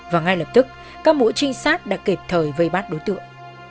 và ngay lập tức các mũ trinh sát đã kịp thời vây bát đối tượng